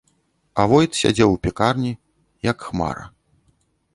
А войт сядзеў у пякарні, як хмара.